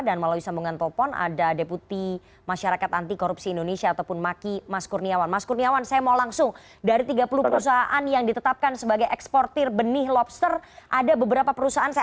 dan indonesia tidak pernah belajar